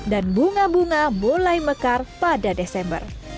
dan bunga bunga mulai mekar pada desember